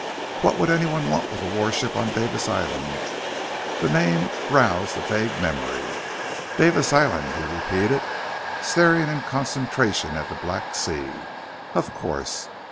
"What would anyone want with warships on Davis Island?" The name roused a vague memory. "Davis Island?" he repeated, staring in concentration at the black sea. "Of course!"